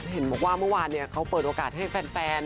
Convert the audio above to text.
เห็นบอกว่าเมื่อวานเขาเปิดโอกาสให้แฟน